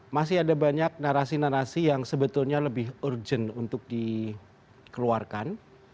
masih ada banyak narasi narasi yang sebetulnya lebih urgent untuk dikeluarkan